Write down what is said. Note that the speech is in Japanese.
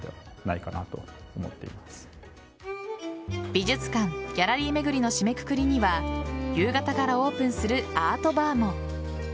美術館・ギャラリー巡りの締めくくりには夕方からオープンするアートバーも。